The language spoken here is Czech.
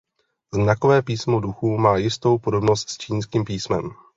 Znakové písmo duchů má jistou podobnost s čínským písmem.